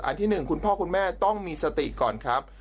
ที่๑คุณพ่อคุณแม่ต้องมีสติก่อนครับ